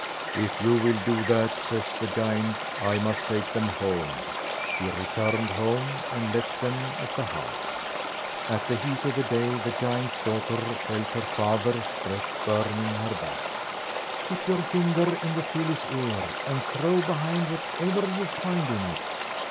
"If you will do that," says the giant, "I must take them home." He returned home and left them at the house. At the heat of day the giant's daughter felt her father's breath burning her back. "Put your finger in the filly's ear, and throw behind whatever you find in it."